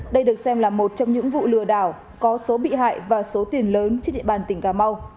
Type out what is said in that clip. đây được xem là một trong những vụ lừa đảo có số bị hại và số tiền lớn trên địa bàn tỉnh cà mau